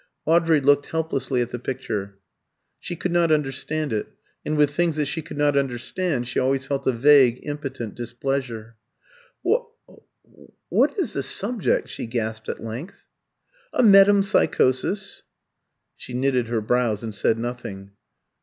Audrey looked helplessly at the picture. She could not understand it, and with things that she could not understand she always felt a vague impotent displeasure. "What what is the subject?" she gasped at length. "A metempsychosis." She knitted her brows and said nothing.